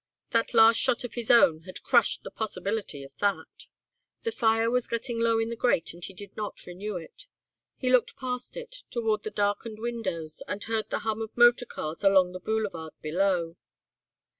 That last shot of his own had crushed the possibility of that. The fire was getting low in the grate and he did not renew it. He looked past it toward the darkened windows and heard the hum of motor cars along the boulevard below.